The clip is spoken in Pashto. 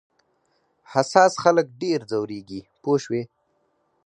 حساس خلک ډېر ځورېږي پوه شوې!.